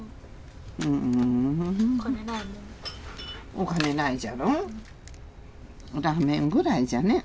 お金ないじゃろ。